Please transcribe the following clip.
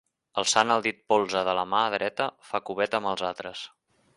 Alçant el dit polze de la mà dreta, fa coveta amb els altres.